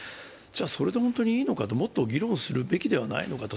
それで本当にいいのかと、もっと議論すべきではないかと。